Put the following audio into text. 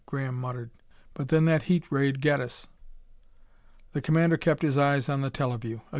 Graham muttered. "But then that heat ray'd get us!" The commander kept his eyes on the teleview.